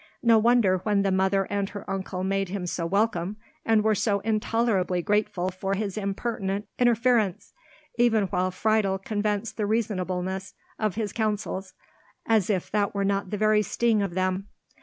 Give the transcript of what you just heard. No wonder, when the mother and her uncle made him so welcome, and were so intolerably grateful for his impertinent interference, while even Friedel confessed the reasonableness of his counsels, as if that were not the very sting of them.